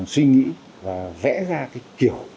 suy nghĩ và vẽ ra cái kiểu